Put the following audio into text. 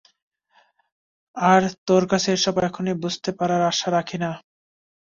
আর তোর কাছে এসব এখনই বুঝতে পারার আশা রাখি না।